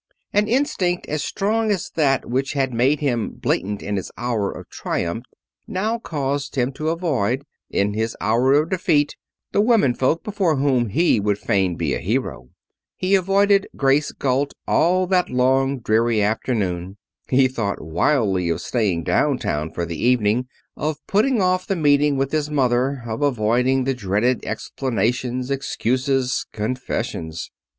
An instinct as strong as that which had made him blatant in his hour of triumph now caused him to avoid, in his hour of defeat, the women folk before whom he would fain be a hero. He avoided Grace Galt all that long, dreary afternoon. He thought wildly of staying down town for the evening, of putting off the meeting with his mother, of avoiding the dreaded explanations, excuses, confessions.